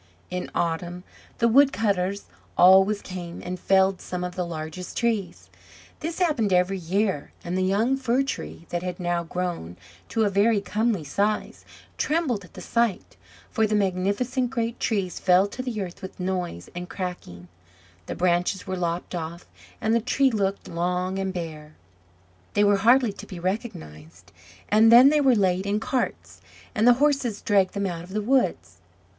In autumn the wood cutters always came and felled some of the largest trees. This happened every year; and the young Fir tree, that had now grown to a very comely size, trembled at the sight; for the magnificent great trees fell to the earth with noise and cracking, the branches were lopped off, and the trees looked long and bare; they were hardly to be recognized; and then they were laid in carts, and the horses dragged them out of the woods.